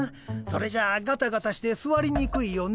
それじゃあガタガタしてすわりにくいよねえ。